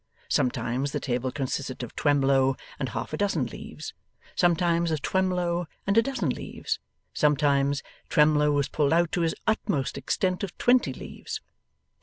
Sometimes, the table consisted of Twemlow and half a dozen leaves; sometimes, of Twemlow and a dozen leaves; sometimes, Twemlow was pulled out to his utmost extent of twenty leaves.